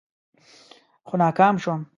خو ناکام شوم.